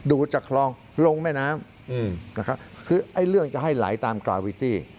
ดูดจากคลองลงแม่น้ำนะครับคือไอ้เรื่องจะให้ไหลตามกราวิตี้